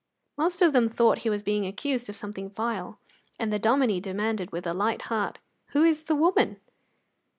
Most of them thought he was being accused of something vile, and the Dominie demanded, with a light heart, "Who is the woman?"